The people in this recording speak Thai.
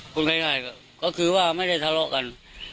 คุณไข่ก็คือว่าไม่ได้ทะเลาะกัน